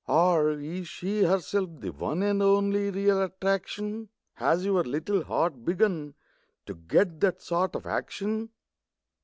Or is she herself the one And only real attraction? Has your little heart begun To get that sort of action?